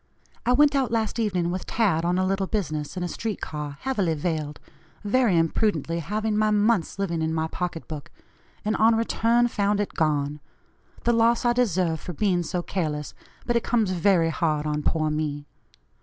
I went out last evening with Tad, on a little business, in a street car, heavily veiled, very imprudently having my month's living in my pocket book and, on return, found it gone. The loss I deserve for being so careless, but it comes very hard on poor me.